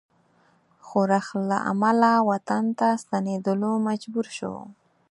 ښورښ له امله وطن ته ستنېدلو مجبور شو.